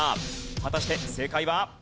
果たして正解は。